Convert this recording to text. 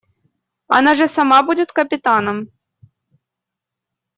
Она же сама будет капитаном.